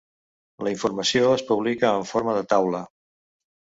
La informació es publica en forma de taula.